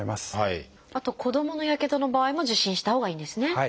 あと子どものやけどの場合も受診したほうがいいんですね。